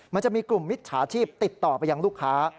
มันจะมีกลุ่มมิจฉาชีพติดต่อไปยังลูกค้า